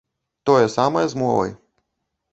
Тое самае з мовай.